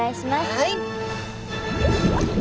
はい。